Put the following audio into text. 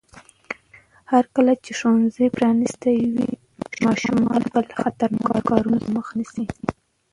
هرکله چې ښوونځي پرانیستي وي، ماشومان به له خطرناکو کارونو سره مخ نه شي.